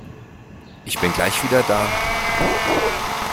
Ich bin gleich wieder da.